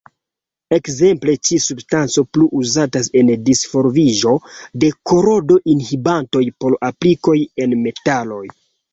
Ekzemple, ĉi-substanco plu uzatas en la disvolviĝo de korodo-inhibantoj por aplikoj en metaloj.